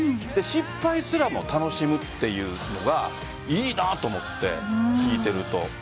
失敗すらも楽しむというのがいいなと思って、聞いていると。